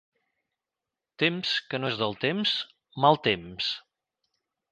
Temps que no és del temps, mal temps.